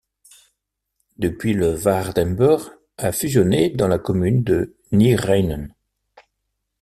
Depuis le Waardenburg a fusionné dans la commune de Neerijnen.